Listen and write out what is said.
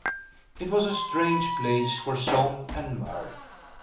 It was a strange place for song and mirth.